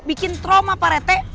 bikin trauma pak rete